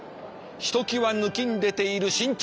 ひときわぬきんでている身長。